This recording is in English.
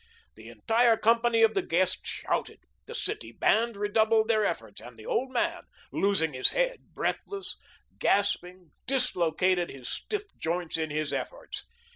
The entire company of the guests shouted. The City Band redoubled their efforts; and the old man, losing his head, breathless, gasping, dislocated his stiff joints in his efforts.